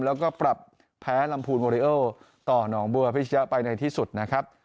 แล้วก็ปรับแพ้ลำพูนโมริโอต่อหนองบัวพิชนะไปในที่สุดนะครับ